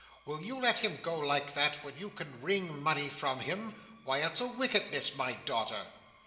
"Will you let him go like that, when you can wring money from him? Why, it's a wickedness, my daughter."